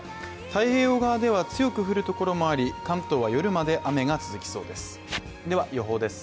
太平洋側では強く降るところもあり関東は夜まで雨が続きそうです。